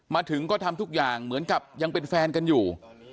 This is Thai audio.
มาถึงก็ทำทุกอย่างเหมือนกับยังเป็นแฟนกันอยู่